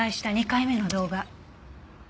２回目の動画。